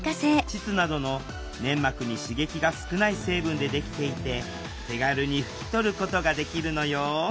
膣などの粘膜に刺激が少ない成分でできていて手軽に拭き取ることができるのよ